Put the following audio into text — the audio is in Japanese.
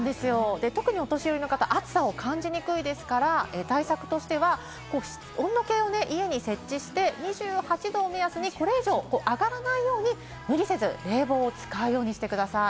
特にお年寄りの方は暑さを感じにくいので、対策としては温度計を家に設置して２８度を目安にこれ以上、上がらないように無理せず冷房を使うようにしてください。